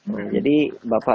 nah jadi bapak